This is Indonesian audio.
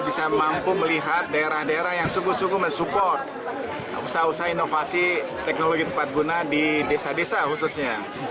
bisa mampu melihat daerah daerah yang sungguh sungguh mensupport usaha usaha inovasi teknologi tepat guna di desa desa khususnya